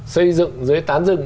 xây dựng dưới tán rừng